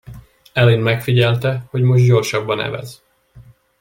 Aline megfigyelte, hogy most gyorsabban evez.